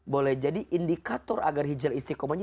boleh jadi indikator agar hijrah istiqomahnya